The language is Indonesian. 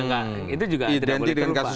tidak boleh terlupa identik dengan kasus